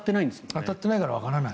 当たってないからわからない。